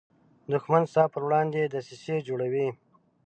دښمن ستا پر وړاندې دسیسې جوړوي